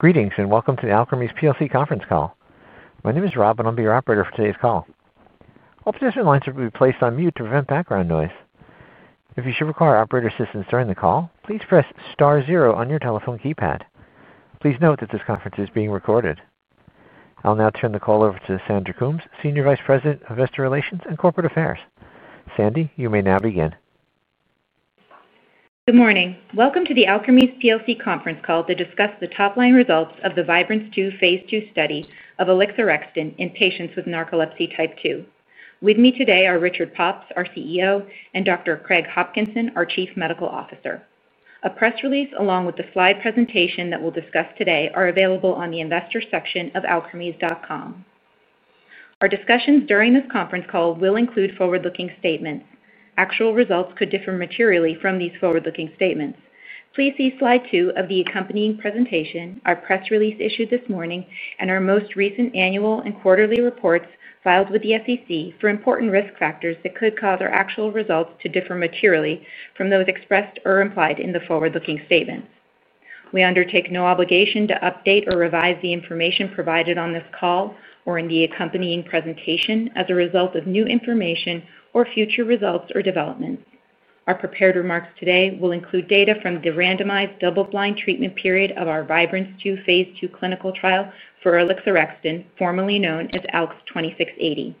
Greetings and welcome to the Alkermes conference call. My name is Rob, and I'll be your operator for today's call. All participants will be placed on mute to prevent background noise. If you should require operator assistance during the call, please press star zero on your telephone keypad. Please note that this conference is being recorded. I'll now turn the call over to Sandy Coombs, Senior Vice President of Investor Relations and Corporate Affairs. Sandy, you may now begin. Good morning. Welcome to the Alkermes conference call to discuss the top-line results of the Vibrance-2 phase II study of alixorexton in patients with narcolepsy type 2. With me today are Richard Pops, our CEO, and Dr. Craig Hopkinson, our Chief Medical Officer. A press release, along with the slide presentation that we'll discuss today, are available on the investor section of alkermes.com. Our discussions during this conference call will include forward-looking statements. Actual results could differ materially from these forward-looking statements. Please see slide two of the accompanying presentation. Our press release issued this morning, and our most recent annual and quarterly reports filed with the SEC for important risk factors that could cause our actual results to differ materially from those expressed or implied in the forward-looking statements. We undertake no obligation to update or revise the information provided on this call or in the accompanying presentation as a result of new information or future results or developments. Our prepared remarks today will include data from the randomized double-blind treatment period of our Vibrance-2 phase II clinical trial for alixorexton, formerly known as ALKS 2680.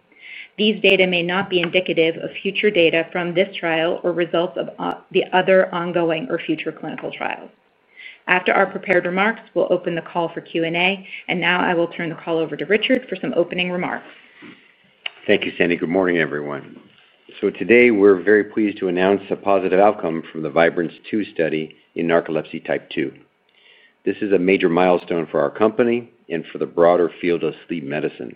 These data may not be indicative of future data from this trial or results of the other ongoing or future clinical trials. After our prepared remarks, we'll open the call for Q&A, and now I will turn the call over to Richard for some opening remarks. Thank you, Sandy. Good morning, everyone. Today we're very pleased to announce a positive outcome from the Vibrance-2 study in narcolepsy type 2. This is a major milestone for our company and for the broader field of sleep medicine.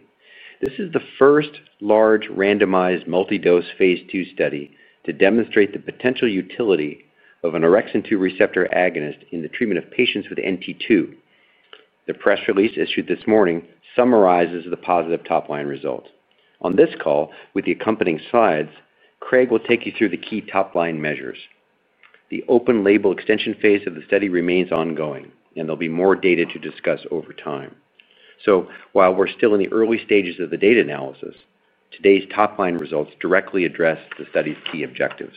This is the first large randomized multi-dose phase II study to demonstrate the potential utility of an orexin 2 receptor agonist in the treatment of patients with NT2. The press release issued this morning summarizes the positive top-line results. On this call, with the accompanying slides, Craig will take you through the key top-line measures. The open-label extension phase of the study remains ongoing, and there'll be more data to discuss over time. While we're still in the early stages of the data analysis, today's top-line results directly address the study's key objectives.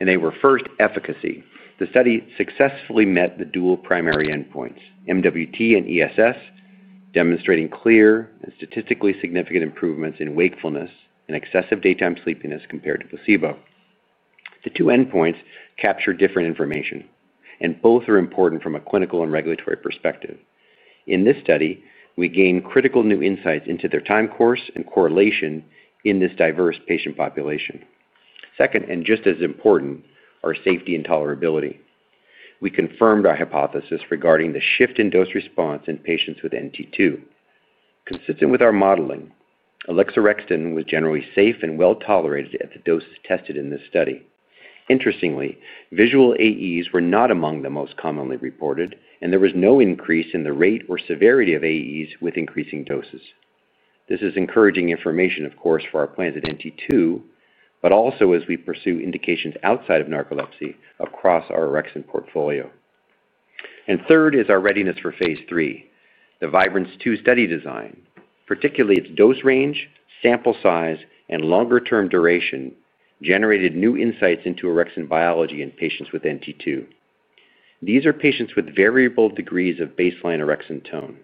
They were first, efficacy. The study successfully met the dual primary endpoints, MWT and ESS, demonstrating clear and statistically significant improvements in wakefulness and excessive daytime sleepiness compared to placebo. The two endpoints capture different information, and both are important from a clinical and regulatory perspective. In this study, we gained critical new insights into their time course and correlation in this diverse patient population. Second, and just as important, our safety and tolerability. We confirmed our hypothesis regarding the shift in dose response in patients with NT2. Consistent with our modeling, alixorexton was generally safe and well tolerated at the doses tested in this study. Interestingly, visual AEs were not among the most commonly reported, and there was no increase in the rate or severity of AEs with increasing doses. This is encouraging information, of course, for our plans at NT2, but also as we pursue indications outside of narcolepsy across our orexin portfolio. Third is our readiness for phase III. The Vibrance-2 study design, particularly its dose range, sample size, and longer-term duration, generated new insights into orexin biology in patients with NT2. These are patients with variable degrees of baseline orexin tone.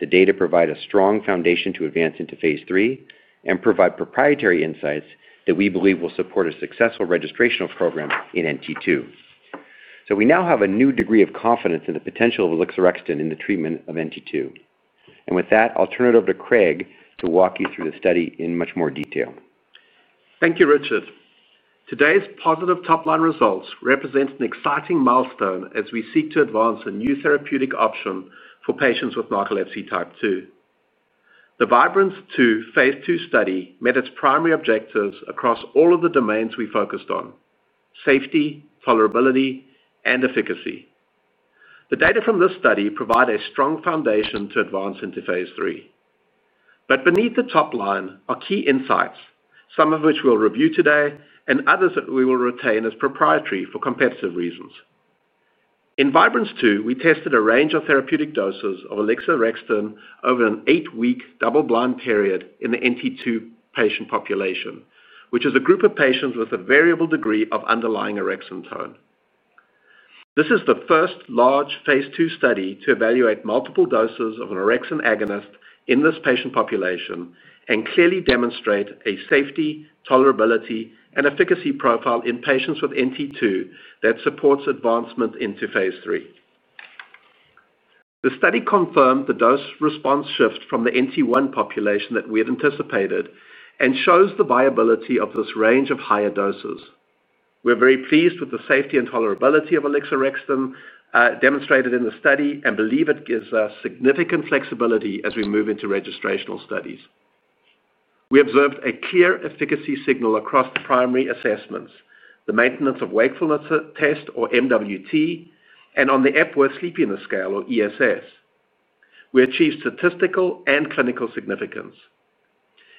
The data provide a strong foundation to advance into phase III and provide proprietary insights that we believe will support a successful registration program in NT2. We now have a new degree of confidence in the potential of alixorexton in the treatment of NT2. With that, I'll turn it over to Craig to walk you through the study in much more detail. Thank you, Richard. Today's positive top-line results represent an exciting milestone as we seek to advance a new therapeutic option for patients with narcolepsy type 2. The Vibrance-2 phase II study met its primary objectives across all of the domains we focused on: safety, tolerability, and efficacy. The data from this study provide a strong foundation to advance into phase III. Beneath the top line are key insights, some of which we'll review today and others that we will retain as proprietary for competitive reasons. In Vibrance-2, we tested a range of therapeutic doses of alixorexton over an eight-week double-blind period in the NT2 patient population, which is a group of patients with a variable degree of underlying orexin tone. This is the first large phase II study to evaluate multiple doses of an orexin agonist in this patient population and clearly demonstrate a safety, tolerability, and efficacy profile in patients with NT2 that supports advancement into phase III. The study confirmed the dose response shift from the NT1 population that we had anticipated and shows the viability of this range of higher doses. We're very pleased with the safety and tolerability of alixorexton demonstrated in the study and believe it gives us significant flexibility as we move into registrational studies. We observed a clear efficacy signal across the primary assessments, the maintenance of wakefulness test or MWT, and on the Epworth Sleepiness Scale or ESS. We achieved statistical and clinical significance.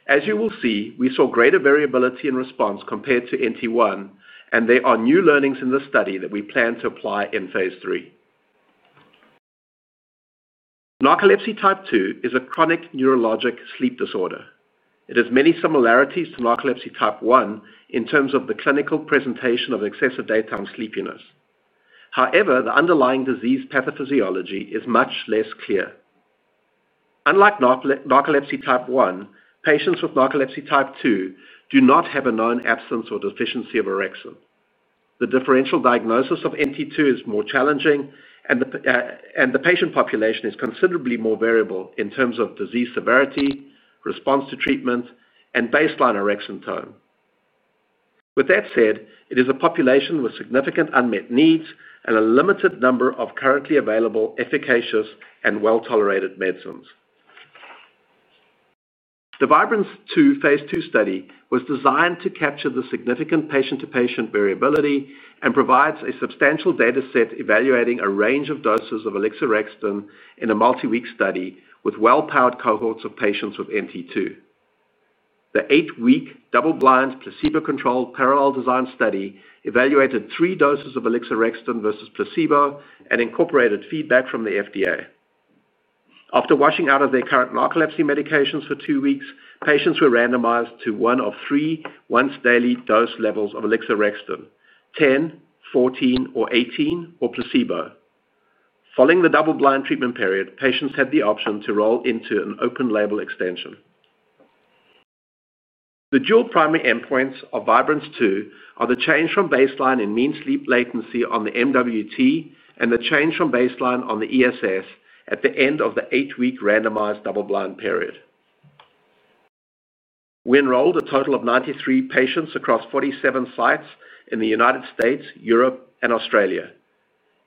As you will see, we saw greater variability in response compared to NT1, and there are new learnings in this study that we plan to apply in phase III. Narcolepsy type 2 is a chronic neurologic sleep disorder. It has many similarities to narcolepsy type 1 in terms of the clinical presentation of excessive daytime sleepiness. However, the underlying disease pathophysiology is much less clear. Unlike narcolepsy type 1, patients with narcolepsy type 2 do not have a known absence or deficiency of orexin. The differential diagnosis of NT2 is more challenging, and the patient population is considerably more variable in terms of disease severity, response to treatment, and baseline orexin tone. With that said, it is a population with significant unmet needs and a limited number of currently available efficacious and well-tolerated medicines. The Vibrance-2 phase II study was designed to capture the significant patient-to-patient variability and provides a substantial data set evaluating a range of doses of alixorexton in a multi-week study with well-powered cohorts of patients with NT2. The eight-week double-blind placebo-controlled parallel design study evaluated three doses of alixorexton versus placebo and incorporated feedback from the FDA. After washing out of their current narcolepsy medications for two weeks, patients were randomized to one of three once-daily dose levels of alixorexton: 10, 14, or 18, or placebo. Following the double-blind treatment period, patients had the option to roll into an open-label extension. The dual primary endpoints of Vibrance-2 are the change from baseline in mean sleep latency on the MWT and the change from baseline on the ESS at the end of the eight-week randomized double-blind period. We enrolled a total of 93 patients across 47 sites in the United States, Europe, and Australia.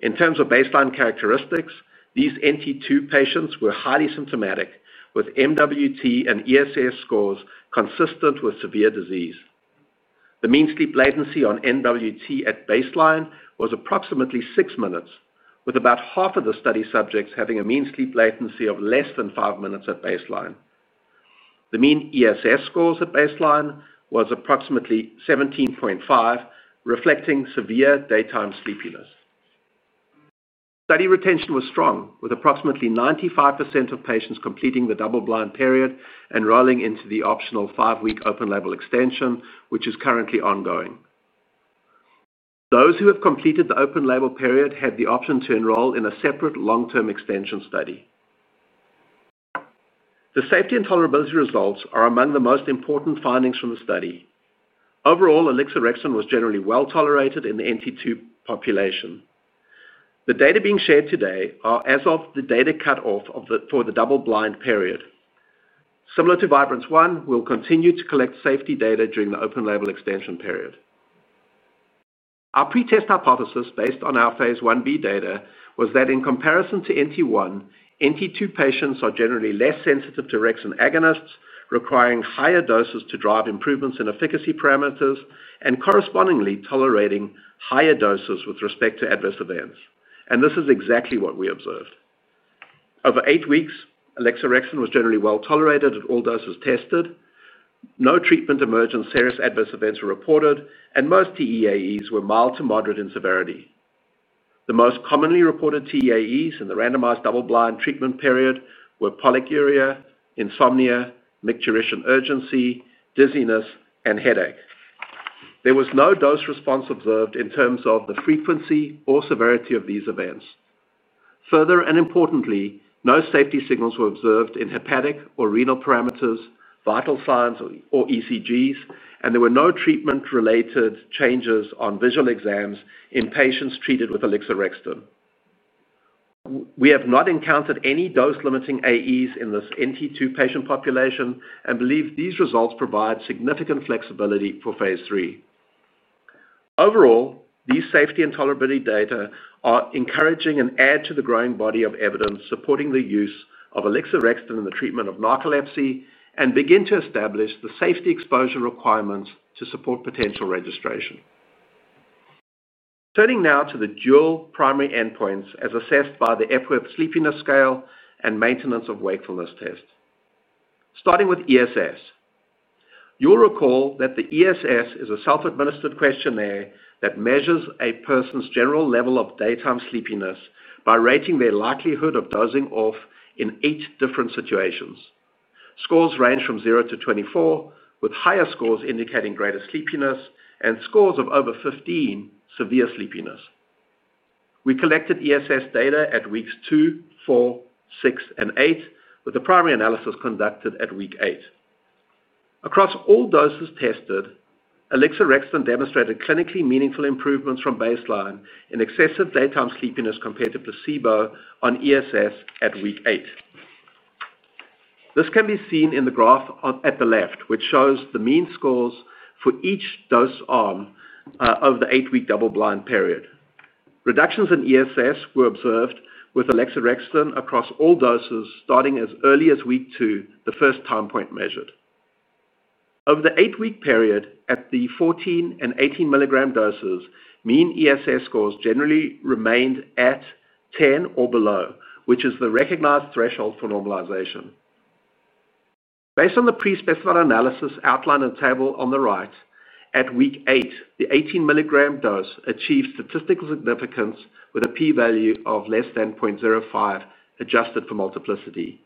In terms of baseline characteristics, these NT2 patients were highly symptomatic with MWT and ESS scores consistent with severe disease. The mean sleep latency on MWT at baseline was approximately six minutes, with about half of the study subjects having a mean sleep latency of less than five minutes at baseline. The mean ESS scores at baseline was approximately 17.5, reflecting severe daytime sleepiness. Study retention was strong, with approximately 95% of patients completing the double-blind period and rolling into the optional five-week open-label extension, which is currently ongoing. Those who have completed the open-label period had the option to enroll in a separate long-term extension study. The safety and tolerability results are among the most important findings from the study. Overall, alixorexton was generally well tolerated in the NT2 population. The data being shared today are as of the data cutoff for the double-blind period. Similar to Vibrance-1, we'll continue to collect safety data during the open-label extension period. Our pretest hypothesis based on our phase 1B data was that in comparison to NT1, NT2 patients are generally less sensitive to orexin agonists, requiring higher doses to drive improvements in efficacy parameters and correspondingly tolerating higher doses with respect to adverse events. This is exactly what we observed. Over eight weeks, alixorexton was generally well tolerated at all doses tested. No treatment-emergent serious adverse events were reported, and most TEAEs were mild to moderate in severity. The most commonly reported TEAEs in the randomized double-blind treatment period were polyuria, insomnia, micturition urgency, dizziness, and headache. There was no dose response observed in terms of the frequency or severity of these events. Further and importantly, no safety signals were observed in hepatic or renal parameters, vital signs, or ECGs, and there were no treatment-related changes on visual exams in patients treated with alixorexton. We have not encountered any dose-limiting AEs in this NT2 patient population and believe these results provide significant flexibility for phase III. Overall, these safety and tolerability data are encouraging and add to the growing body of evidence supporting the use of alixorexton in the treatment of narcolepsy and begin to establish the safety exposure requirements to support potential registration. Turning now to the dual primary endpoints as assessed by the Epworth Sleepiness Scale and Maintenance of Wakefulness Test. Starting with ESS. You'll recall that the ESS is a self-administered questionnaire that measures a person's general level of daytime sleepiness by rating their likelihood of dozing off in eight different situations. Scores range from zero to 24, with higher scores indicating greater sleepiness and scores of over 15, severe sleepiness. We collected ESS data at weeks two, four, six, and eight, with the primary analysis conducted at week eight. Across all doses tested, alixorexton demonstrated clinically meaningful improvements from baseline in excessive daytime sleepiness compared to placebo on ESS at week eight. This can be seen in the graph at the left, which shows the mean scores for each dose arm over the eight-week double-blind period. Reductions in ESS were observed with alixorexton across all doses starting as early as week two, the first time point measured. Over the eight-week period, at the 14 and 18 milligram doses, mean ESS scores generally remained at 10 or below, which is the recognized threshold for normalization. Based on the pre-specified analysis outlined in the table on the right, at week eight, the 18 mg dose achieved statistical significance with a p-value of less than 0.05 adjusted for multiplicity.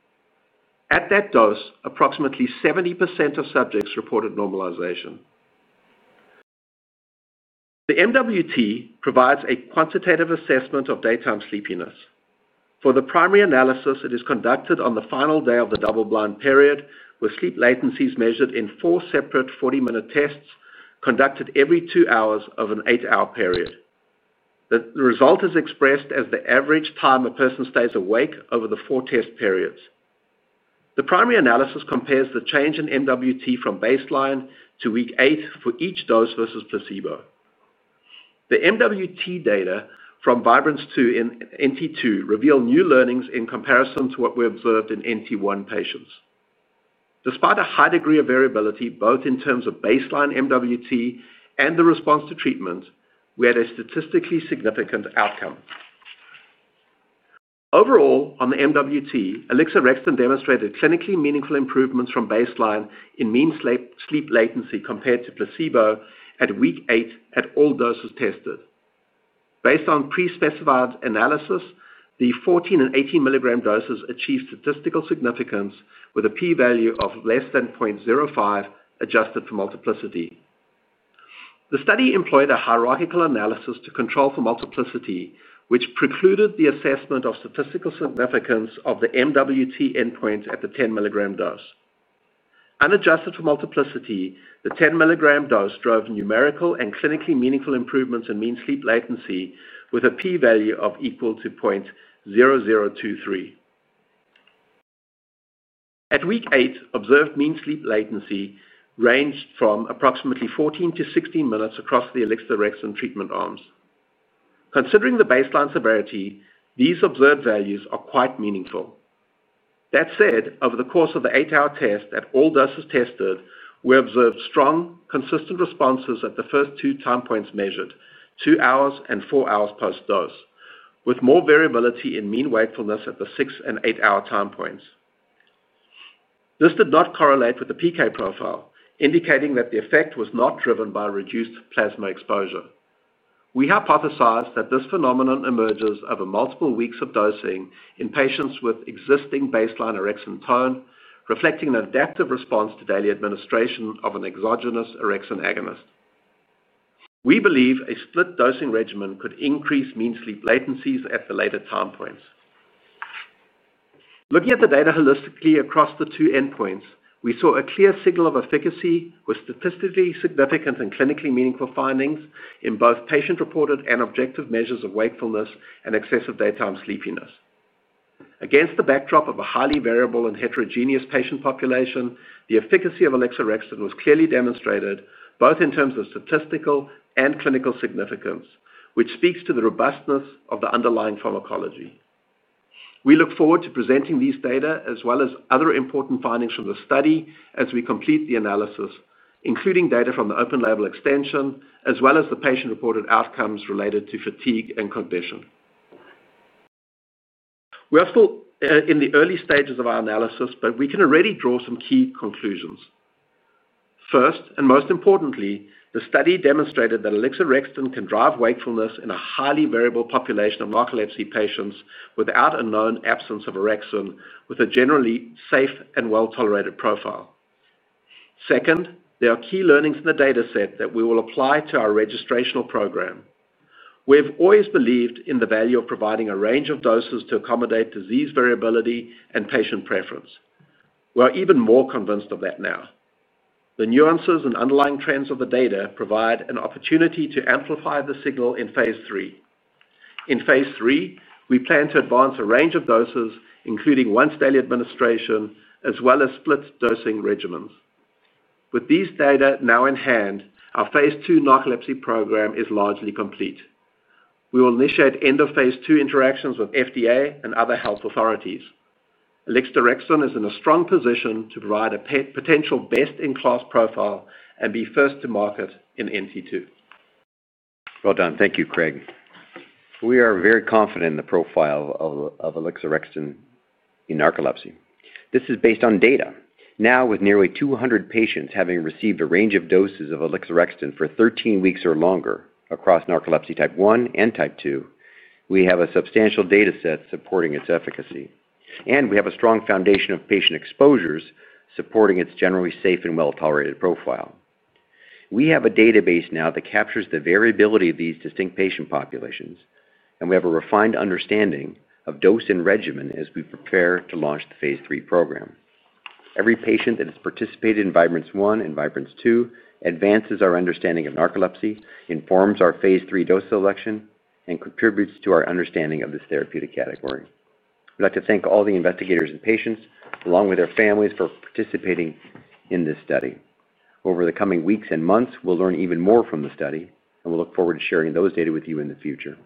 At that dose, approximately 70% of subjects reported normalization. The MWT provides a quantitative assessment of daytime sleepiness. For the primary analysis, it is conducted on the final day of the double-blind period, with sleep latencies measured in four separate 40-minute tests conducted every two hours of an eight-hour period. The result is expressed as the average time a person stays awake over the four test periods. The primary analysis compares the change in MWT from baseline to week eight for each dose versus placebo. The MWT data from Vibrance-2 in NT2 reveal new learnings in comparison to what we observed in NT1 patients. Despite a high degree of variability, both in terms of baseline MWT and the response to treatment, we had a statistically significant outcome. Overall, on the MWT, alixorexton demonstrated clinically meaningful improvements from baseline in mean sleep latency compared to placebo at week eight at all doses tested. Based on pre-specified analysis, the 14 and 18 milligram doses achieved statistical significance with a p-value of less than 0.05 adjusted for multiplicity. The study employed a hierarchical analysis to control for multiplicity, which precluded the assessment of statistical significance of the MWT endpoints at the 10 milligram dose. Unadjusted for multiplicity, the 10 milligram dose drove numerical and clinically meaningful improvements in mean sleep latency with a p-value of equal to 0.0023. At week eight, observed mean sleep latency ranged from approximately 14 minutes-16 minutes across the alixorexton treatment arms. Considering the baseline severity, these observed values are quite meaningful. That said, over the course of the eight-hour test at all doses tested, we observed strong, consistent responses at the first two time points measured, two hours and four hours post-dose, with more variability in mean wakefulness at the six and eight-hour time points. This did not correlate with the PK profile, indicating that the effect was not driven by reduced plasma exposure. We hypothesize that this phenomenon emerges over multiple weeks of dosing in patients with existing baseline orexin tone, reflecting an adaptive response to daily administration of an exogenous orexin agonist. We believe a split dosing regimen could increase mean sleep latencies at the later time points. Looking at the data holistically across the two endpoints, we saw a clear signal of efficacy with statistically significant and clinically meaningful findings in both patient-reported and objective measures of wakefulness and excessive daytime sleepiness. Against the backdrop of a highly variable and heterogeneous patient population, the efficacy of alixorexton was clearly demonstrated both in terms of statistical and clinical significance, which speaks to the robustness of the underlying pharmacology. We look forward to presenting these data as well as other important findings from the study as we complete the analysis, including data from the open-label extension as well as the patient-reported outcomes related to fatigue and condition. We are still in the early stages of our analysis, but we can already draw some key conclusions. First, and most importantly, the study demonstrated that alixorexton can drive wakefulness in a highly variable population of narcolepsy patients without a known absence of orexin, with a generally safe and well-tolerated profile. Second, there are key learnings in the data set that we will apply to our registrational program. We have always believed in the value of providing a range of doses to accommodate disease variability and patient preference. We are even more convinced of that now. The nuances and underlying trends of the data provide an opportunity to amplify the signal in phase III. In phase III, we plan to advance a range of doses, including once-daily administration as well as split dosing regimens. With these data now in hand, our phase II narcolepsy program is largely complete. We will initiate end-of-phase II interactions with FDA and other health authorities. Alixorexton is in a strong position to provide a potential best-in-class profile and be first to market in NT2. Thank you, Craig. We are very confident in the profile of alixorexton in narcolepsy. This is based on data. Now, with nearly 200 patients having received a range of doses of alixorexton for 13 weeks or longer across narcolepsy type 1 and type 2, we have a substantial data set supporting its efficacy. We have a strong foundation of patient exposures supporting its generally safe and well-tolerated profile. We have a database now that captures the variability of these distinct patient populations, and we have a refined understanding of dose and regimen as we prepare to launch the phase II program. Every patient that has participated in Vibrance-1 and Vibrance-2 advances our understanding of narcolepsy, informs our phase III dose selection, and contributes to our understanding of this therapeutic category. We'd like to thank all the investigators and patients, along with their families, for participating in this study. Over the coming weeks and months, we'll learn even more from the study, and we'll look forward to sharing those data with you in the future.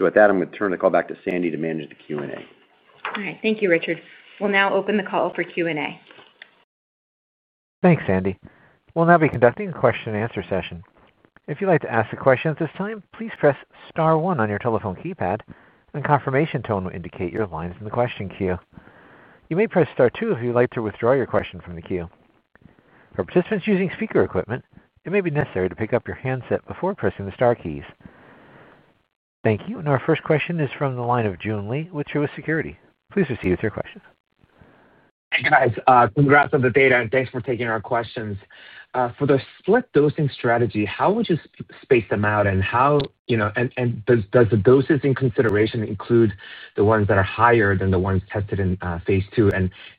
With that, I'm going to turn the call back to Sandy to manage the Q&A. All right. Thank you, Richard. We'll now open the call for Q&A. Thanks, Sandy. We'll now be conducting a question-and-answer session. If you'd like to ask a question at this time, please press star one on your telephone keypad, and a confirmation tone will indicate your line is in the question queue. You may press star two if you'd like to withdraw your question from the queue. For participants using speaker equipment, it may be necessary to pick up your handset before pressing the Star keys. Thank you. Our first question is from the line of Joon Lee with Truist Securities Please proceed with your question. Hey, guys. Congrats on the data, and thanks for taking our questions. For the split dosing strategy, how would you space them out, and how does the doses in consideration include the ones that are higher than the ones tested in phase II?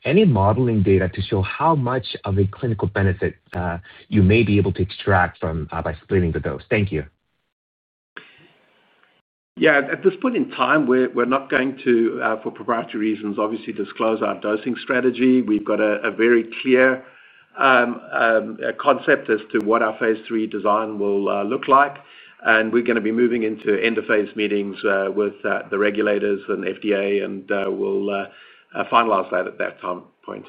Any modeling data to show how much of a clinical benefit you may be able to extract by splitting the dose? Thank you. Yeah. At this point in time, we're not going to, for proprietary reasons, obviously disclose our dosing strategy. We've got a very clear concept as to what our phase III design will look like, and we're going to be moving into end-of-phase meetings with the regulators and FDA, and we'll finalize that at that time point.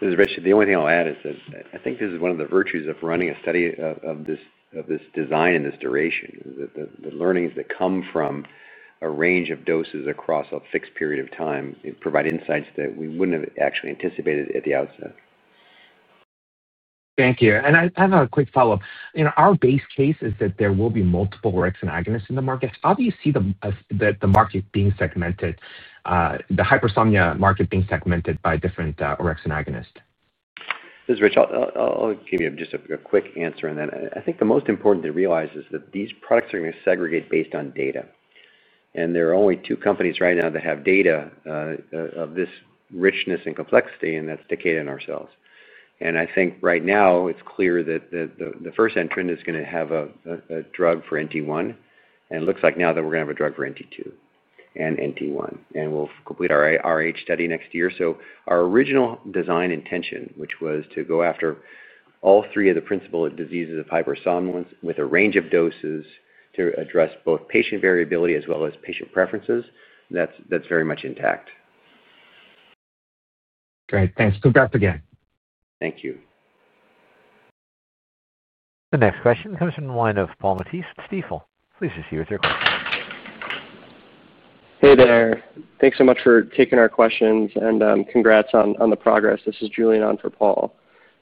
This is Richard. The only thing I'll add is that I think this is one of the virtues of running a study of this design and this duration, is that the learnings that come from a range of doses across a fixed period of time provide insights that we wouldn't have actually anticipated at the outset. Thank you. I have a quick follow-up. Our base case is that there will be multiple orexin agonists in the market. How do you see the market being segmented, the hypersomnia market being segmented by different orexin agonists? This is Richard. I'll give you just a quick answer, and then I think the most important to realize is that these products are going to segregate based on data. There are only two companies right now that have data of this richness and complexity, and that's Takeda and ourselves. I think right now, it's clear that the first entrant is going to have a drug for NT1, and it looks like now that we're going to have a drug for NT2 and NT1, and we'll complete our RH study next year. Our original design intention, which was to go after all three of the principal diseases of hypersomnolence with a range of doses to address both patient variability as well as patient preferences, that's very much intact. Great. Thanks. Congrats again. Thank you. The next question comes from the line of Paul Matteis at Stifel. Please proceed with your question. Hey there. Thanks so much for taking our questions, and congrats on the progress. This is Julie on for Paul.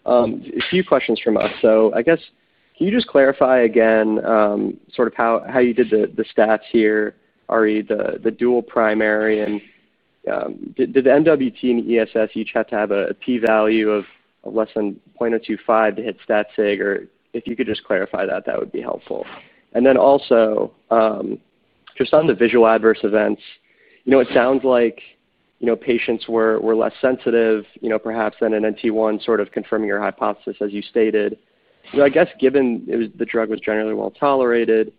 A few questions from us. I guess, can you just clarify again sort of how you did the stats here, [Ari], the dual primary? Did the MWT and ESS each have to have a p-value of less than 0.025 to hit stat-sig? If you could just clarify that, that would be helpful. Also, just on the visual adverse events, it sounds like patients were less sensitive, perhaps, than in NT1, sort of confirming your hypothesis, as you stated. I guess, given the drug was generally well-tolerated,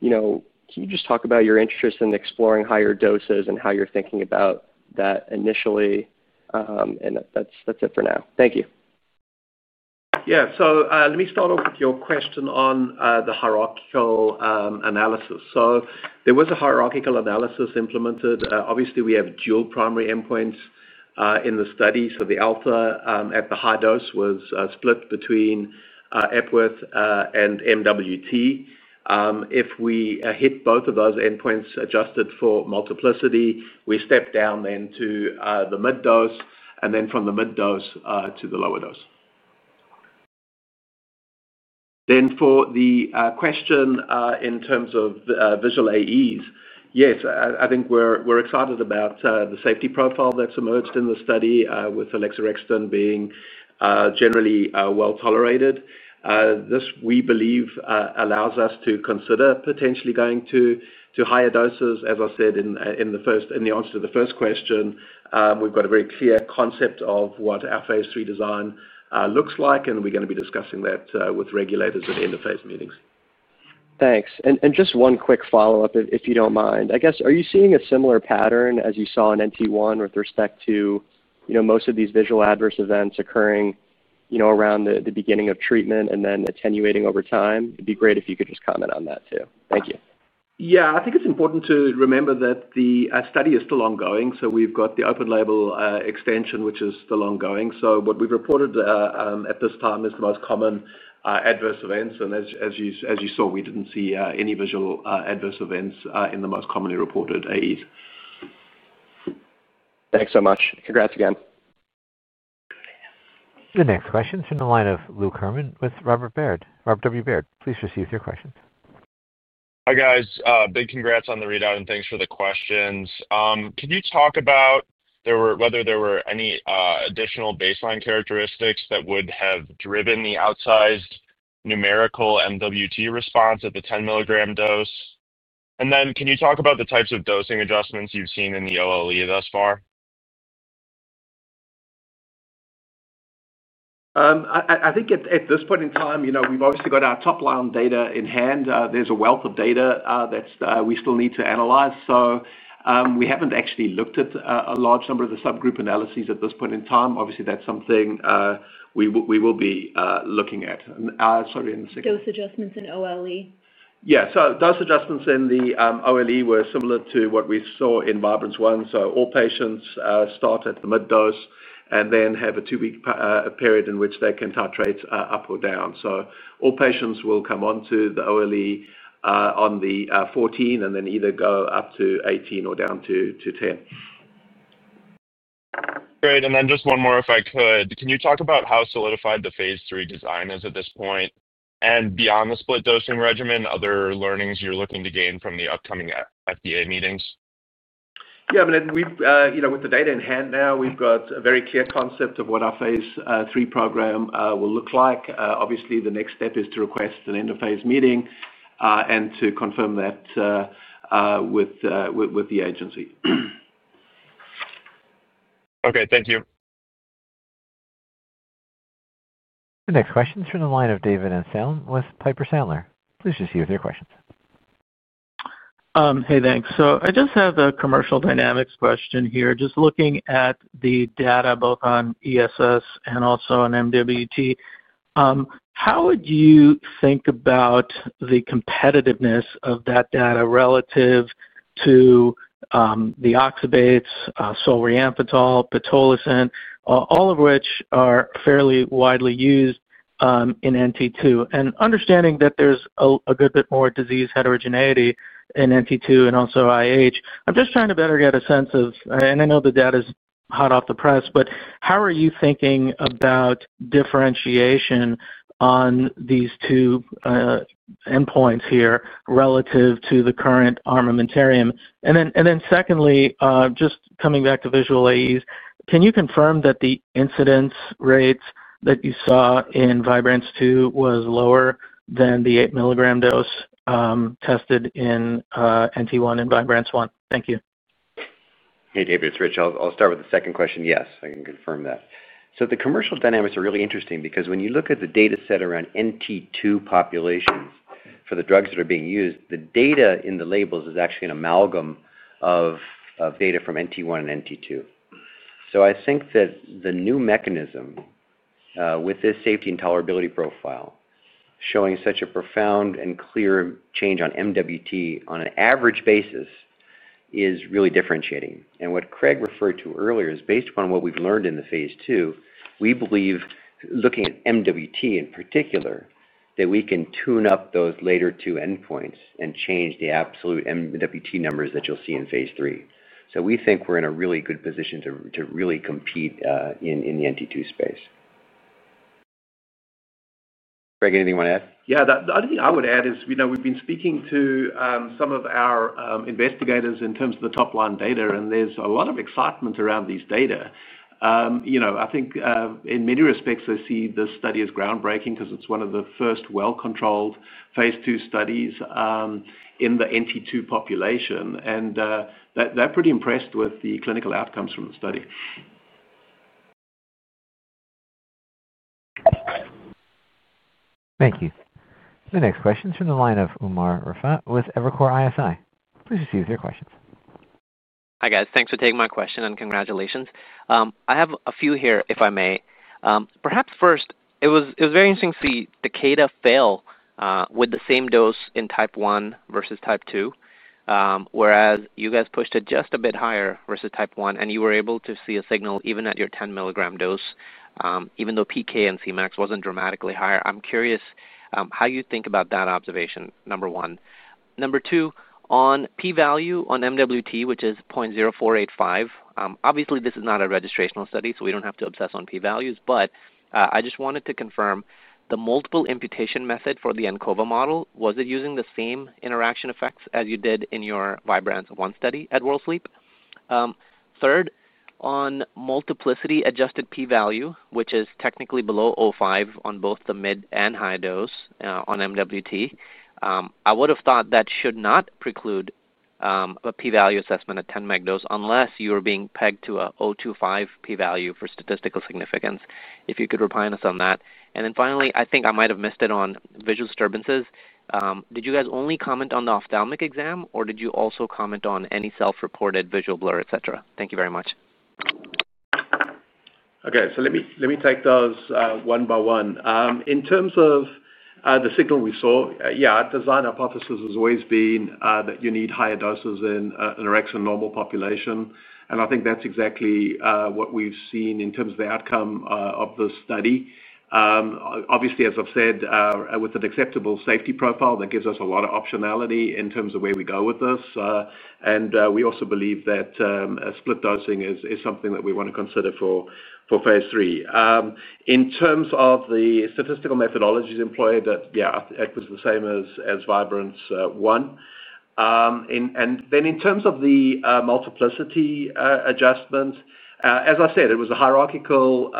can you talk about your interest in exploring higher doses and how you're thinking about that initially? That's it for now. Thank you. Yeah. Let me start off with your question on the hierarchical analysis. There was a hierarchical analysis implemented. Obviously, we have dual primary endpoints in the study. The alpha at the high dose was split between Epworth and MWT. If we hit both of those endpoints adjusted for multiplicity, we step down then to the mid-dose, and then from the mid-dose to the lower dose. For the question in terms of visual AEs, yes, I think we're excited about the safety profile that's emerged in the study with alixorexton being generally well-tolerated. This, we believe, allows us to consider potentially going to higher doses, as I said in the answer to the first question. We've got a very clear concept of what our phase III design looks like, and we're going to be discussing that with regulators at end-of-phase meetings. Thanks. Just one quick follow-up, if you don't mind. I guess, are you seeing a similar pattern as you saw in NT1 with respect to most of these visual adverse events occurring around the beginning of treatment and then attenuating over time? It'd be great if you could just comment on that too. Thank you. Yeah. I think it's important to remember that the study is still ongoing, so we've got the open-label extension, which is still ongoing. So what we've reported at this time is the most common adverse events. And as you saw, we didn't see any visual adverse events in the most commonly reported AEs. Thanks so much. Congrats again. The next question is from the line of Lou Kerman with Robert Baird. Robert W. Baird, please proceed with your questions. Hi, guys. Big congrats on the readout, and thanks for the questions. Can you talk about whether there were any additional baseline characteristics that would have driven the outsized numerical MWT response at the 10 milligram dose? And then can you talk about the types of dosing adjustments you've seen in the OLE thus far? I think at this point in time, we've obviously got our top-line data in hand. There's a wealth of data that we still need to analyze. We haven't actually looked at a large number of the subgroup analyses at this point in time. Obviously, that's something we will be looking at. Sorry, in the— Dose adjustments in OLE? Yeah. Dose adjustments in the OLE were similar to what we saw in Vibrance-1. All patients start at the mid-dose and then have a two-week period in which they can titrate up or down. All patients will come onto the OLE on the 14 and then either go up to 18 or down to 10. Great. Just one more, if I could. Can you talk about how solidified the phase III design is at this point? Beyond the split dosing regimen, other learnings you're looking to gain from the upcoming FDA meetings? Yeah. I mean, with the data in hand now, we've got a very clear concept of what our phase III program will look like. Obviously, the next step is to request an end-of-phase meeting and to confirm that with the agency. Okay. Thank you. The next question is from the line of David Amsellem with Piper Sandler. Please proceed with your questions. Hey, thanks. I just have a commercial dynamics question here. Just looking at the data both on ESS and also on MWT, how would you think about the competitiveness of that data relative to the oxybates, solriamfetol, pitolisant, all of which are fairly widely used in NT2? Understanding that there's a good bit more disease heterogeneity in NT2 and also IH, I'm just trying to better get a sense of—and I know the data's hot off the press—how are you thinking about differentiation on these two endpoints here relative to the current armamentarium? Secondly, just coming back to visual AEs, can you confirm that the incidence rates that you saw in Vibrance-2 was lower than the 8 milligram dose tested in NT1 and Vibrance-1? Thank you. Hey, David. It's Richard. I'll start with the second question. Yes, I can confirm that. The commercial dynamics are really interesting because when you look at the data set around NT2 populations for the drugs that are being used, the data in the labels is actually an amalgam of data from NT1 and NT2. I think that the new mechanism with this safety and tolerability profile showing such a profound and clear change on MWT on an average basis is really differentiating. What Craig referred to earlier is based upon what we have learned in the phase II, we believe, looking at MWT in particular, that we can tune up those later two endpoints and change the absolute MWT numbers that you will see in phase III. We think we are in a really good position to really compete in the NT2 space. Craig, anything you want to add? Yeah. The only thing I would add is we have been speaking to some of our investigators in terms of the top-line data, and there is a lot of excitement around these data. I think in many respects, I see this study as groundbreaking because it's one of the first well-controlled phase II studies in the NT2 population. They're pretty impressed with the clinical outcomes from the study. Thank you. The next question is from the line of Umer Raffat with Evercore ISI. Please proceed with your questions. Hi guys. Thanks for taking my question, and congratulations. I have a few here, if I may. Perhaps first, it was very interesting to see Takeda fail with the same dose in type 1 versus type 2, whereas you guys pushed it just a bit higher versus type 1, and you were able to see a signal even at your 10 milligram dose, even though PK and Cmax wasn't dramatically higher. I'm curious how you think about that observation, number one. Number two, on p-value on MWT, which is 0.0485, obviously, this is not a registrational study, so we do not have to obsess on p-values. I just wanted to confirm the multiple imputation method for the ANCOVA model, was it using the same interaction effects as you did in your Vibrance-1 study at WorldSleep? Third, on multiplicity-adjusted p-value, which is technically below 0.05 on both the mid and high dose on MWT, I would have thought that should not preclude a p-value assessment at 10 mg dose unless you were being pegged to a 0.025 p-value for statistical significance. If you could remind us on that. Finally, I think I might have missed it on visual disturbances. Did you guys only comment on the ophthalmic exam, or did you also comment on any self-reported visual blur, etc.? Thank you very much. Okay. Let me take those one by one. In terms of the signal we saw, yeah, our design hypothesis has always been that you need higher doses in a [orexin] normal population. I think that's exactly what we've seen in terms of the outcome of this study. Obviously, as I've said, with an acceptable safety profile, that gives us a lot of optionality in terms of where we go with this. We also believe that split dosing is something that we want to consider for phase III. In terms of the statistical methodologies employed, yeah, it was the same as Vibrance-1. In terms of the multiplicity adjustments, as I said, it was a hierarchical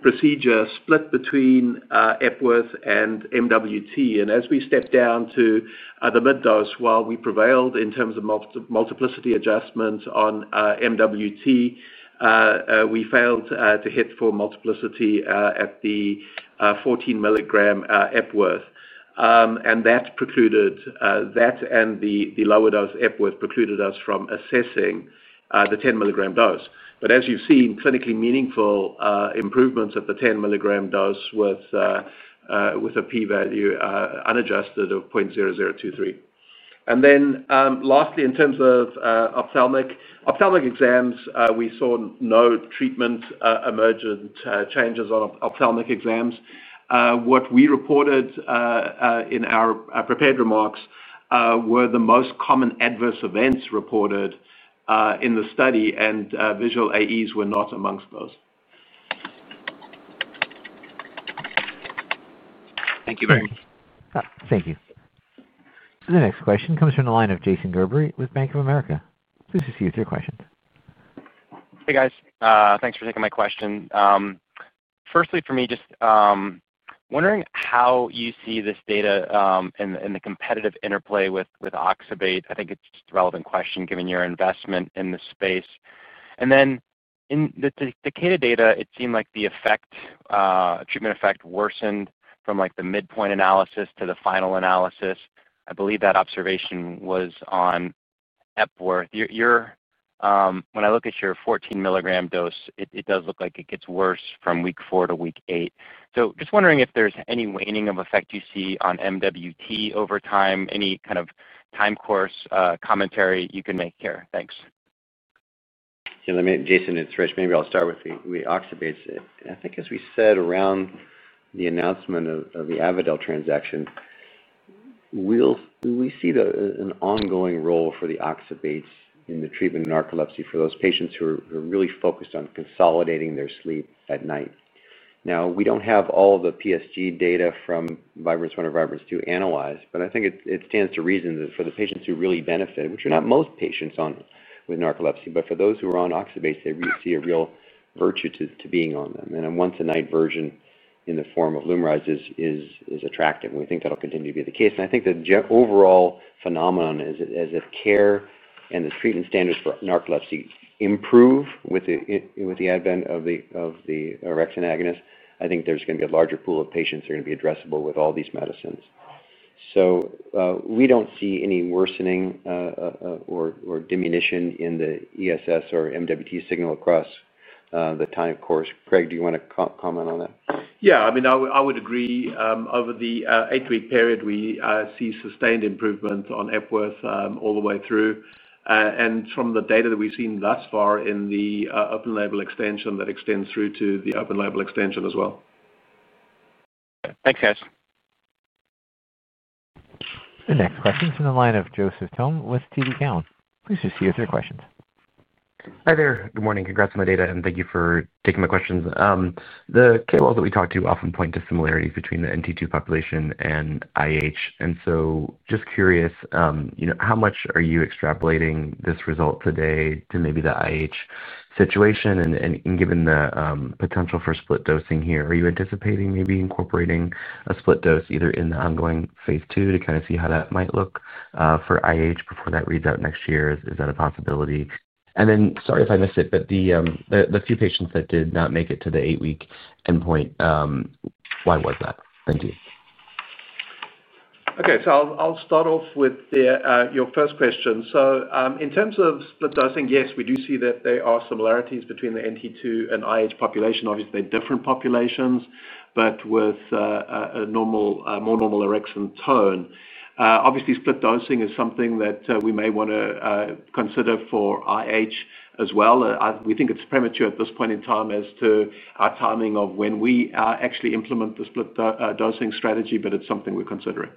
procedure split between Epworth and MWT. As we stepped down to the mid-dose, while we prevailed in terms of multiplicity adjustments on MWT, we failed to hit for multiplicity at the 14 milligram Epworth. That precluded that, and the lower dose Epworth precluded us from assessing the 10 milligram dose. As you have seen, clinically meaningful improvements at the 10 milligram dose with a p-value unadjusted of 0.0023. Lastly, in terms of ophthalmic exams, we saw no treatment emergent changes on ophthalmic exams. What we reported in our prepared remarks were the most common adverse events reported in the study, and visual AEs were not amongst those. Thank you very much. Thank you. The next question comes from the line of Jason Gerberry with Bank of America. Please proceed with your questions. Hey guys. Thanks for taking my question. Firstly, for me, just wondering how you see this data and the competitive interplay with oxybate. I think it's a relevant question given your investment in the space. In the Takeda data, it seemed like the treatment effect worsened from the midpoint analysis to the final analysis. I believe that observation was on Epworth. When I look at your 14 milligram dose, it does look like it gets worse from week four to week eight. Just wondering if there's any waning of effect you see on MWT over time, any kind of time course commentary you can make here. Thanks. Yeah. Jason, it's Rich. Maybe I'll start with the oxybates. I think, as we said around the announcement of the Avadel transaction, we see an ongoing role for the oxybates in the treatment of narcolepsy for those patients who are really focused on consolidating their sleep at night. Now, we do not have all the PSG data from Vibrance-1 or Vibrance-2 analyzed, but I think it stands to reason that for the patients who really benefit, which are not most patients with narcolepsy, but for those who are on oxybates, they really see a real virtue to being on them. A once-a-night version in the form of Lumryz is attractive, and we think that will continue to be the case. I think the overall phenomenon is that care and the treatment standards for narcolepsy improve with the advent of the orexin antagonist. I think there is going to be a larger pool of patients that are going to be addressable with all these medicines. We do not see any worsening or diminution in the ESS or MWT signal across the time course. Craig, do you want to comment on that? Yeah. I mean, I would agree. Over the eight-week period, we see sustained improvements on Epworth all the way through. From the data that we've seen thus far in the open-label extension, that extends through to the open-label extension as well. Thanks, guys. The next question is from the line of Joseph Thome with TD Cowen. Please proceed with your questions. Hi there. Good morning. Congrats on the data, and thank you for taking my questions. The KOLs that we talked to often point to similarities between the NT2 population and IH. Just curious, how much are you extrapolating this result today to maybe the IH situation? Given the potential for split dosing here, are you anticipating maybe incorporating a split dose either in the ongoing phase II to kind of see how that might look for IH before that reads out next year? Is that a possibility? Sorry if I missed it, but the few patients that did not make it to the eight-week endpoint, why was that? Thank you. Okay. I'll start off with your first question. In terms of split dosing, yes, we do see that there are similarities between the NT2 and IH population. Obviously, they're different populations, but with a more normal erection tone. Obviously, split dosing is something that we may want to consider for IH as well. We think it's premature at this point in time as to our timing of when we actually implement the split dosing strategy, but it's something we're considering.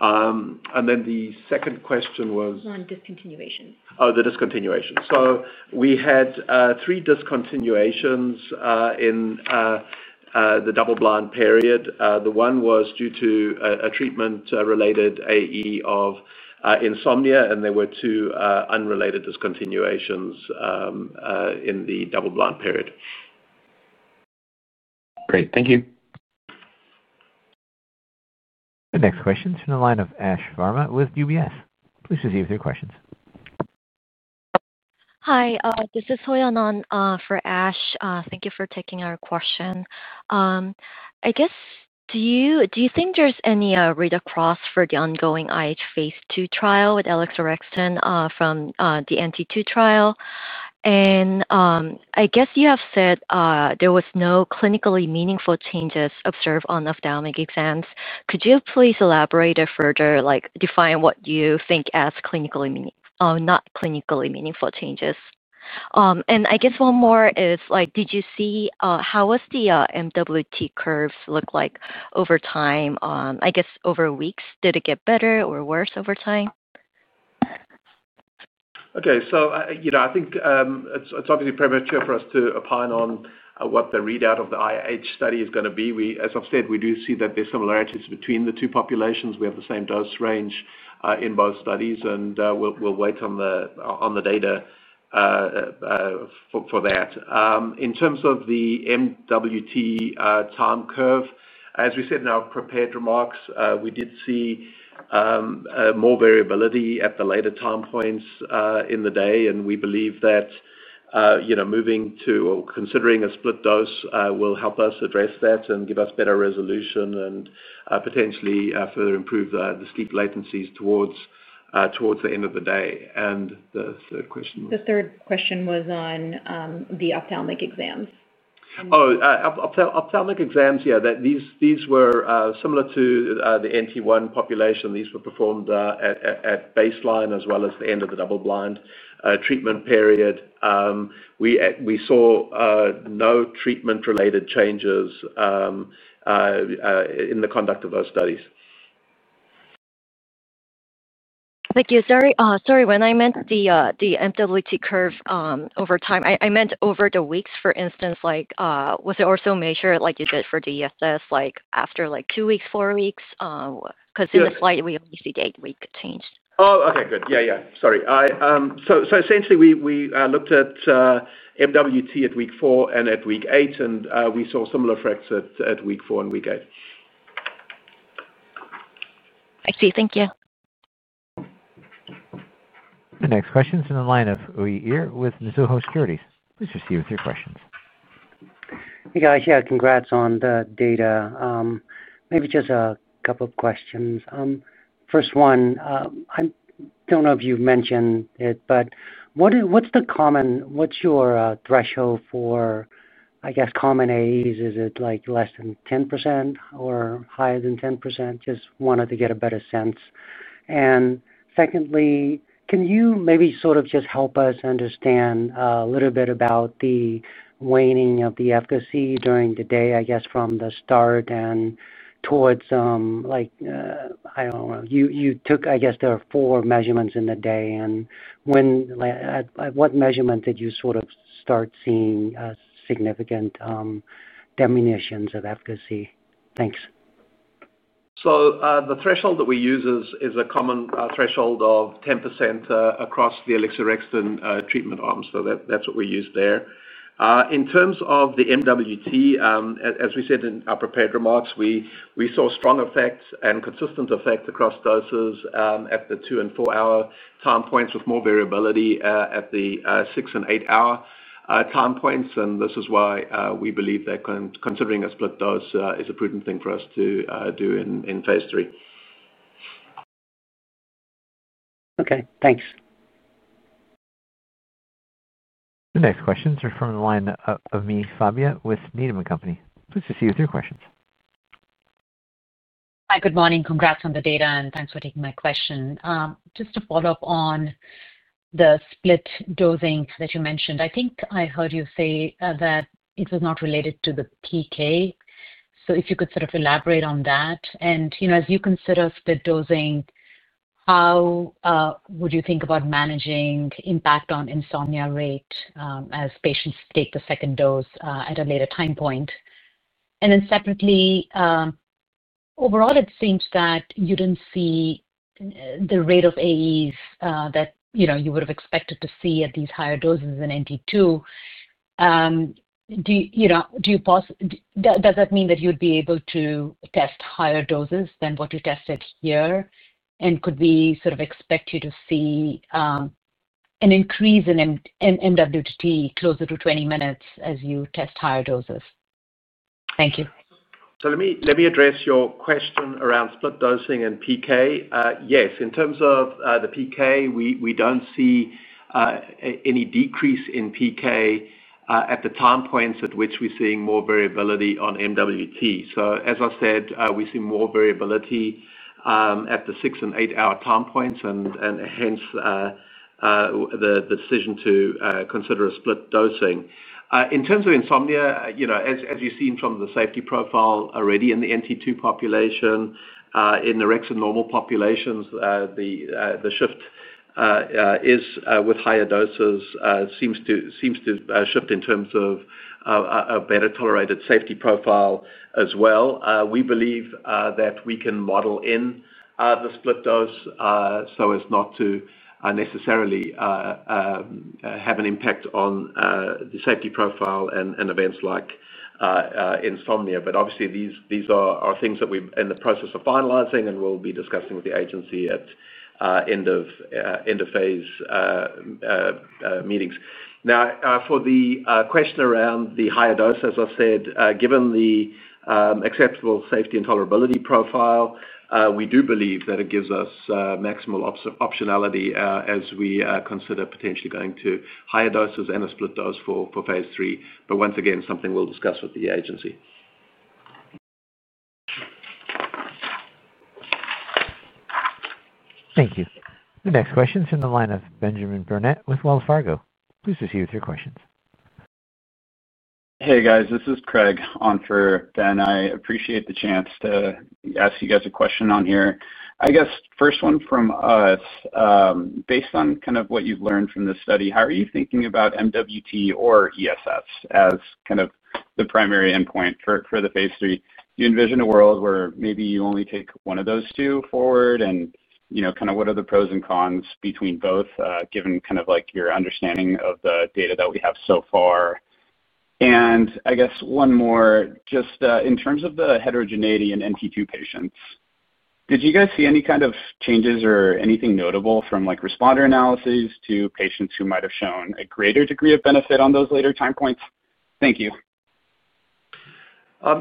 The second question was— On discontinuation. Oh, the discontinuation. We had three discontinuations in the double-blind period. One was due to a treatment-related AE of insomnia, and there were two unrelated discontinuations in the double-blind period. Great. Thank you. The next question is from the line of Ash [Verma] with UBS. Please proceed with your questions. Hi. This is Hoyeong for Ash. Thank you for taking our question. I guess, do you think there's any read across for the ongoing IH phase II trial with alixorexton from the NT2 trial? I guess you have said there were no clinically meaningful changes observed on ophthalmic exams. Could you please elaborate or further define what you think as not clinically meaningful changes? I guess one more is, did you see how was the MWT curves look like over time? I guess over weeks, did it get better or worse over time? Okay. I think it's obviously premature for us to opine on what the readout of the IH study is going to be. As I've said, we do see that there are similarities between the two populations. We have the same dose range in both studies, and we'll wait on the data for that. In terms of the MWT time curve, as we said in our prepared remarks, we did see more variability at the later time points in the day. We believe that moving to or considering a split dose will help us address that and give us better resolution and potentially further improve the sleep latencies towards the end of the day. The third question was on the ophthalmic exams. Oh, ophthalmic exams, yeah. These were similar to the NT1 population. These were performed at baseline as well as the end of the double-blind treatment period. We saw no treatment-related changes in the conduct of those studies. Thank you. Sorry, when I meant the MWT curve over time, I meant over the weeks, for instance. Was it also measured like you did for the ESS after two weeks, four weeks? Because in the slide, we only see the eight-week change. Oh, okay. Good. Yeah, yeah. Sorry. So essentially, we looked at MWT at week four and at week eight, and we saw similar effects at week four and week eight. I see. Thank you. The next question is from the line of [Uyeer] with Mizuho Securities. Please proceed with your questions. Hey, guys. Yeah, congrats on the data. Maybe just a couple of questions. First one, I do not know if you have mentioned it, but what is the common—what is your threshold for, I guess, common AEs? Is it less than 10% or higher than 10%? Just wanted to get a better sense. Secondly, can you maybe sort of just help us understand a little bit about the waning of the efficacy during the day, I guess, from the start and towards—I do not know. You took, I guess, there are four measurements in the day. At what measurement did you sort of start seeing significant diminutions of efficacy? Thanks. The threshold that we use is a common threshold of 10% across the alixorexton treatment arms. That is what we use there. In terms of the MWT, as we said in our prepared remarks, we saw strong effects and consistent effects across doses at the two and four-hour time points with more variability at the six and eight-hour time points. This is why we believe that considering a split dose is a prudent thing for us to do in phase III. Okay. Thanks. The next questions are from the line of Ami Fadia with Needham & Company. Please proceed with your questions. Hi. Good morning. Congrats on the data, and thanks for taking my question. Just to follow up on the split dosing that you mentioned, I think I heard you say that it was not related to the PK. If you could sort of elaborate on that. As you consider split dosing, how would you think about managing impact on insomnia rate as patients take the second dose at a later time point? Separately, overall, it seems that you did not see the rate of AEs that you would have expected to see at these higher doses in NT2. Do you—does that mean that you'd be able to test higher doses than what you tested here and could we sort of expect you to see an increase in MWT closer to 20 minutes as you test higher doses? Thank you. Let me address your question around split dosing and PK. Yes. In terms of the PK, we do not see any decrease in PK at the time points at which we are seeing more variability on MWT. As I said, we see more variability at the six and eight-hour time points and hence the decision to consider split dosing. In terms of insomnia, as you have seen from the safety profile already in the NT2 population, in otherwise normal populations, the shift with higher doses seems to shift in terms of a better tolerated safety profile as well. We believe that we can model in the split dose so as not to necessarily have an impact on the safety profile and events like insomnia. Obviously, these are things that we're in the process of finalizing and we'll be discussing with the agency at end-of-phase meetings. Now, for the question around the higher dose, as I said, given the acceptable safety and tolerability profile, we do believe that it gives us maximal optionality as we consider potentially going to higher doses and a split dose for phase III. Once again, something we'll discuss with the agency. Thank you. The next question is from the line of Benjamin Burnett with Wells Fargo. Please proceed with your questions. Hey, guys. This is Craig on for Ben. I appreciate the chance to ask you guys a question on here. I guess first one from us. Based on kind of what you've learned from this study, how are you thinking about MWT or ESS as kind of the primary endpoint for the phase III? Do you envision a world where maybe you only take one of those two forward? What are the pros and cons between both given kind of your understanding of the data that we have so far? I guess one more, just in terms of the heterogeneity in NT2 patients, did you guys see any kind of changes or anything notable from responder analyses to patients who might have shown a greater degree of benefit on those later time points? Thank you.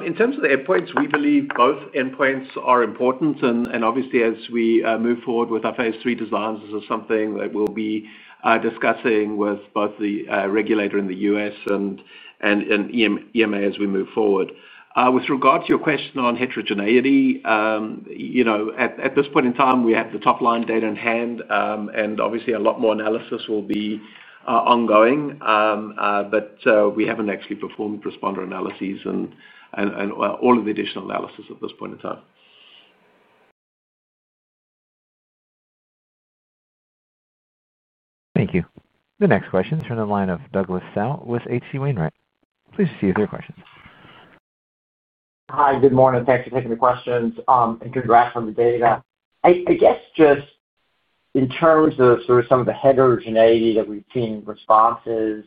In terms of the endpoints, we believe both endpoints are important. Obviously, as we move forward with our phase III designs, this is something that we'll be discussing with both the regulator in the U.S. and EMA as we move forward. With regard to your question on heterogeneity, at this point in time, we have the top-line data in hand, and obviously, a lot more analysis will be ongoing. We haven't actually performed responder analyses and all of the additional analysis at this point in time. Thank you. The next question is from the line of Douglas Tsao with HC Wainwright. Please proceed with your questions. Hi. Good morning. Thanks for taking the questions. Congrats on the data. I guess just in terms of sort of some of the heterogeneity that we've seen in responses,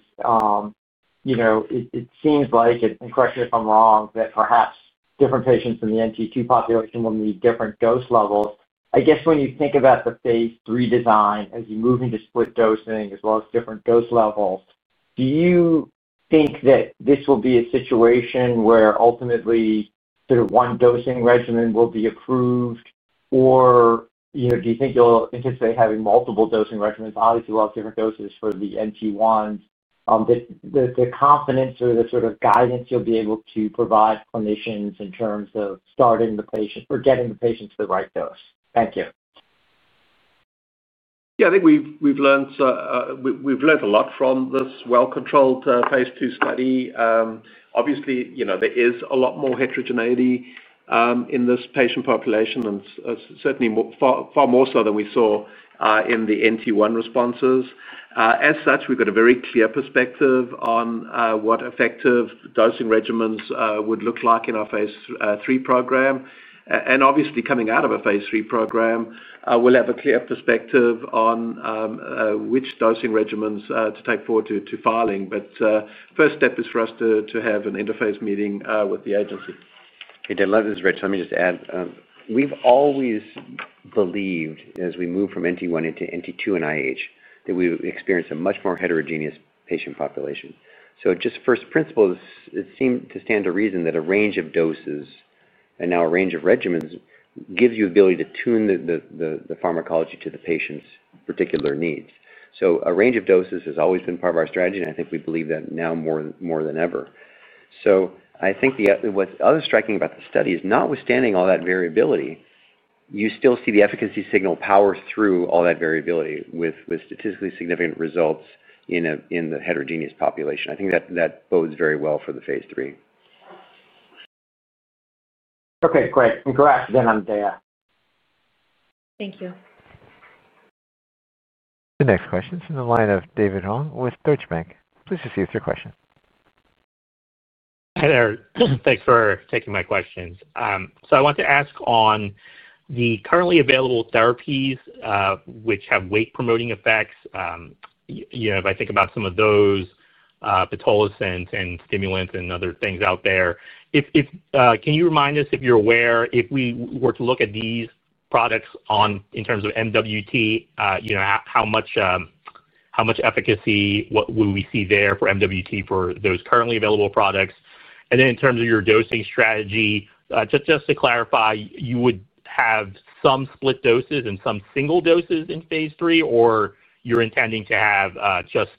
it seems like, and correct me if I'm wrong, that perhaps different patients in the NT2 population will need different dose levels. I guess when you think about the phase III design as you move into split dosing as well as different dose levels, do you think that this will be a situation where ultimately sort of one dosing regimen will be approved, or do you think you'll anticipate having multiple dosing regimens? Obviously, we'll have different doses for the NT1s. The confidence or the sort of guidance you'll be able to provide clinicians in terms of starting the patient or getting the patient to the right dose? Thank you. Yeah. I think we've learned a lot from this well-controlled phase II study. Obviously, there is a lot more heterogeneity in this patient population and certainly far more so than we saw in the NT1 responses. As such, we've got a very clear perspective on what effective dosing regimens would look like in our phase III program. Obviously, coming out of a phase III program, we'll have a clear perspective on which dosing regimens to take forward to filing. The first step is for us to have an interphase meeting with the agency. Hey, Douglas, this is Rich. Let me just add. We've always believed, as we move from NT1 into NT2 and IH, that we would experience a much more heterogeneous patient population. Just first principle, it seemed to stand to reason that a range of doses and now a range of regimens gives you the ability to tune the pharmacology to the patient's particular needs. A range of doses has always been part of our strategy, and I think we believe that now more than ever. I think what's other striking about the study is, notwithstanding all that variability, you still see the efficacy signal power through all that variability with statistically significant results in the heterogeneous population. I think that bodes very well for the phase III. Okay. Great. And congrats again on the data. Thank you. The next question is from the line of David Hong with Deutsche Bank. Please proceed with your question. Hi there. Thanks for taking my questions. I want to ask on the currently available therapies which have weight-promoting effects. If I think about some of those botulinum and stimulants and other things out there, can you remind us, if you're aware, if we were to look at these products in terms of MWT, how much efficacy will we see there for MWT for those currently available products? In terms of your dosing strategy, just to clarify, you would have some split doses and some single doses in phase 3, or you're intending to have just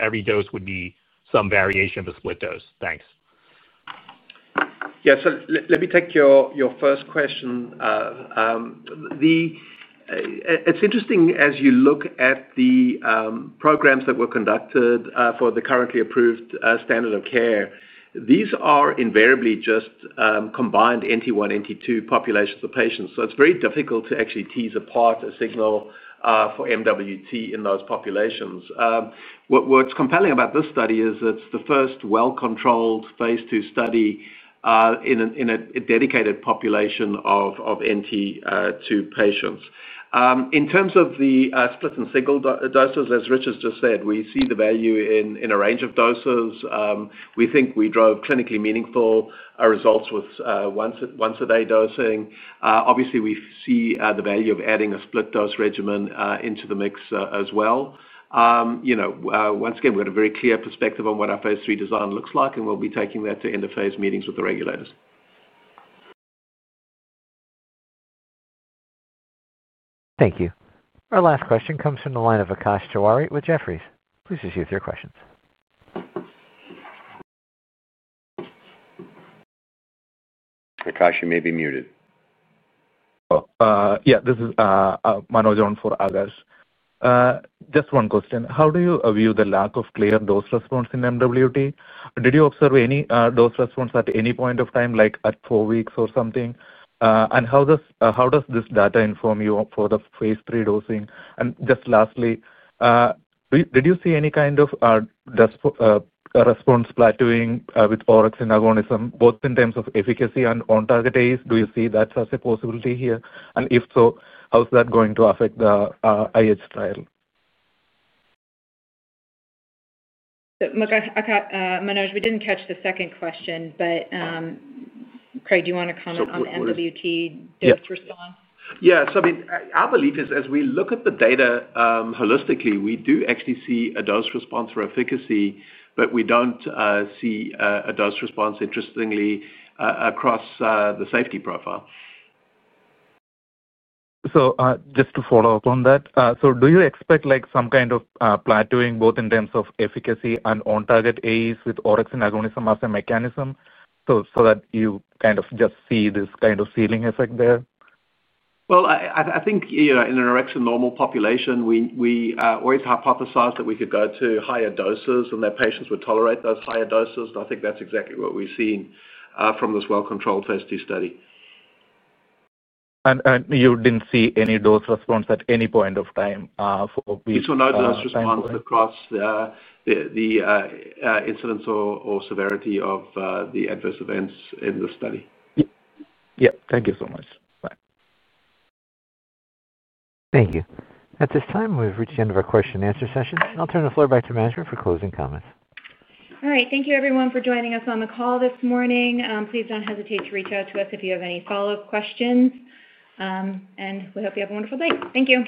every dose would be some variation of a split dose? Thanks. Yeah. Let me take your first question. It's interesting as you look at the programs that were conducted for the currently approved standard of care. These are invariably just combined NT1, NT2 populations of patients. It is very difficult to actually tease apart a signal for MWT in those populations. What's compelling about this study is it's the first well-controlled phase II study in a dedicated population of NT2 patients. In terms of the split and single doses, as Rich has just said, we see the value in a range of doses. We think we drove clinically meaningful results with once-a-day dosing. Obviously, we see the value of adding a split dose regimen into the mix as well. Once again, we've got a very clear perspective on what our phase III design looks like, and we'll be taking that to end-of-phase meetings with the regulators. Thank you. Our last question comes from the line of Akash Tewari with Jefferies. Please proceed with your questions. Akash, you may be muted. Oh. Yeah. This is Manuel on for. Regards. Just one question. How do you view the lack of clear dose response in MWT? Did you observe any dose response at any point of time, like at four weeks or something? And how does this data inform you for the phase III dosing? And just lastly, did you see any kind of response plateauing with orexin agonism, both in terms of efficacy and on-target AEs? Do you see that as a possibility here? If so, how is that going to affect the IH trial? Look, Manoj, we did not catch the second question, but Craig, do you want to comment on the MWT dose response? Yeah. I mean, our belief is, as we look at the data holistically, we do actually see a dose response for efficacy, but we do not see a dose response, interestingly, across the safety profile. Just to follow up on that, do you expect some kind of plateauing both in terms of efficacy and on-target AEs with orexin agonism as a mechanism so that you kind of just see this kind of ceiling effect there? I think in a narcoleptic normal population, we always hypothesized that we could go to higher doses and that patients would tolerate those higher doses. I think that is exactly what we have seen from this well-controlled phase II study. You did not see any dose response at any point of time for phase II? We saw no dose response across the incidence or severity of the adverse events in the study. Yep. Thank you so much. Bye. Thank you. At this time, we have reached the end of our question-and-answer session. I will turn the floor back to management for closing comments. All right. Thank you, everyone, for joining us on the call this morning. Please do not hesitate to reach out to us if you have any follow-up questions. We hope you have a wonderful day. Thank you.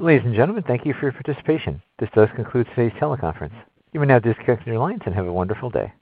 Ladies and gentlemen, thank you for your participation. This does conclude today's teleconference. You may now disconnect from your lines and have a wonderful day.